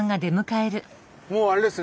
もうあれですね。